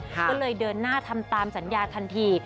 ก็เลยเดินหน้าทำตามสัญญาทันที